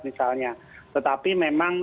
misalnya tetapi memang